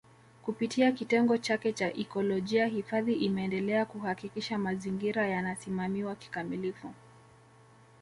Kupitia kitengo chake cha ikolojia hifadhi imeendelea kuhakikisha mazingira yanasimamiwa kikamilifu